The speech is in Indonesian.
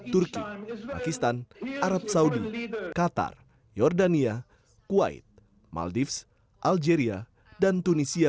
turki pakistan arab saudi qatar jordania kuwait maldives algeria dan tunisia